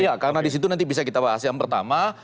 iya karena di situ nanti bisa kita bahas yang pertama